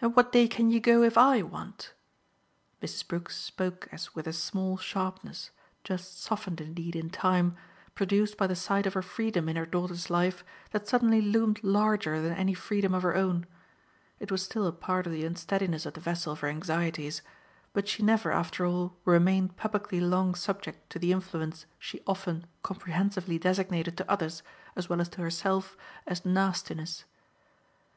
"And what day can you go if I want?" Mrs. Brook spoke as with a small sharpness just softened indeed in time produced by the sight of a freedom in her daughter's life that suddenly loomed larger than any freedom of her own. It was still a part of the unsteadiness of the vessel of her anxieties; but she never after all remained publicly long subject to the influence she often comprehensively designated to others as well as to herself as "nastiness."